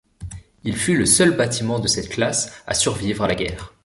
Il fut le seul bâtiment de cette classe à survivre à la guerre.